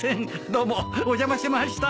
どうもお邪魔しました。